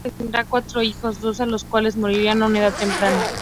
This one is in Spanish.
La pareja tendrá cuatro hijos, dos de los cuales morirán a una edad temprana.